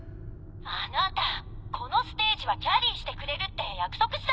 あなたこのステージはキャリーしてくれるって約束したわよね？